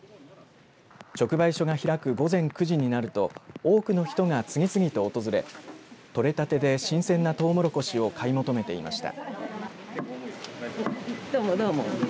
直売所が開く午前９時になると多くの人が次々と訪れとれたてで新鮮なとうもろこしを買い求めていました。